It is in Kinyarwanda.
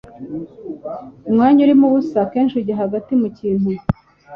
Umwanya urimo ubusa akenshi ujya hagati mu kintu,